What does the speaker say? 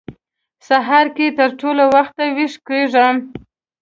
سهار کې تر ټولو وختي وېښ کېږم.